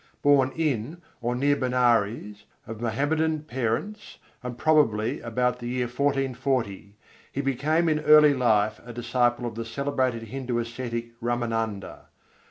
Born in or near Benares, of Mohammedan parents, and probably about the year 1440, he became in early life a disciple of the celebrated Hindu ascetic Râmânanda.